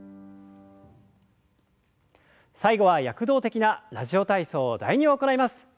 最後は躍動的な「ラジオ体操第２」を行います。